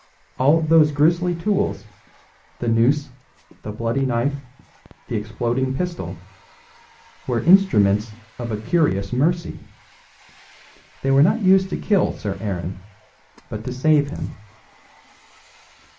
All those grisly tools, the noose, the bloody knife, the exploding pistol, were instruments of a curious mercy. They were not used to kill Sir Aaron, but to save him."